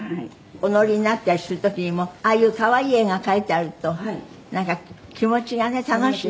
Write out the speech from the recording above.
お乗りになったりする時にもああいう可愛い絵が描いてあるとなんか気持ちがね楽しい。